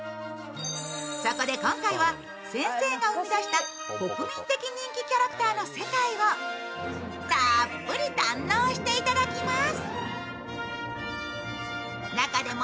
そこで今回は、先生が生み出した国民的人気キャラクターの世界をたっぷり堪能していただきます。